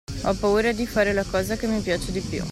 Ho paura di fare la cosa che mi piace di più.